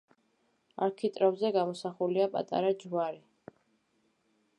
არქიტრავზე გამოსახულია პატარა ჯვარი.